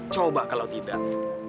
coba kalau tidak